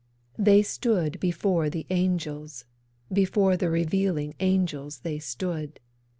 They stood before the Angels—before the Revealing Angels they stood.